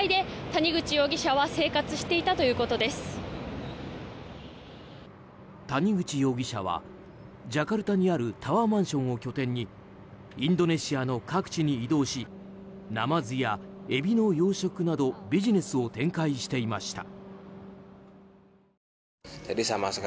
谷口容疑者はジャカルタにあるタワーマンションを拠点にインドネシアの各地に移動しナマズやエビの養殖などビジネスを展開していました。